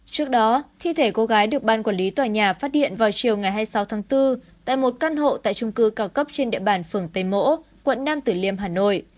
trước đó thi thể cô gái được ban quản lý tòa nhà phát hiện vào chiều ngày hai mươi sáu tháng bốn tại một căn hộ tại trung cư cao cấp trên địa bàn phường tây mỗ quận nam tử liêm hà nội